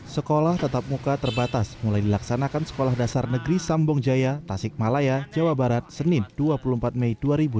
sekolah tatap muka terbatas mulai dilaksanakan sekolah dasar negeri sambong jaya tasik malaya jawa barat senin dua puluh empat mei dua ribu dua puluh